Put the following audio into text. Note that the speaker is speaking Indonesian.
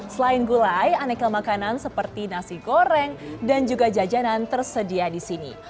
selain gulai aneka makanan seperti nasi goreng dan juga jajanan tersedia di sini